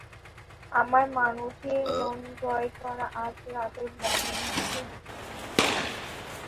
আমার মানুষের মন জয় করা আজ রাতের বল ড্যান্সের জন্য।